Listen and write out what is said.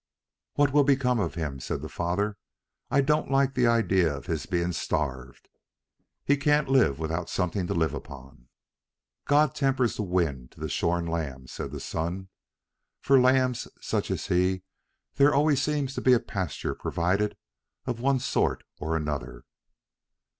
"What will become of him?" said the father. "I don't like the idea of his being starved. He can't live without something to live upon." "God tempers the wind to the shorn lamb," said the son. "For lambs such as he there always seems to be pasture provided of one sort or another."